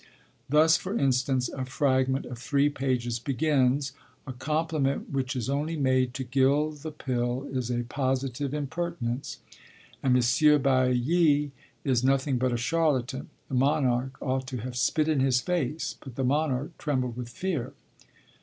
Thus, for instance, a fragment of three pages begins: 'A compliment which is only made to gild the pill is a positive impertinence, and Monsieur Bailli is nothing but a charlatan; the monarch ought to have spit in his face, but the monarch trembled with fear.'